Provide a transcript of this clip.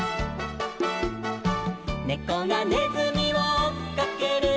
「ねこがねずみをおっかける」